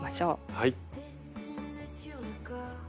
はい。